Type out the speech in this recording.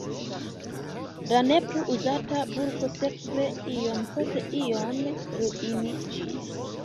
La ne plu uzata burgo sekve iom post iom ruiniĝis.